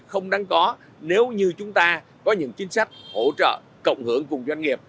không đáng có nếu như chúng ta có những chính sách hỗ trợ cộng hưởng cùng doanh nghiệp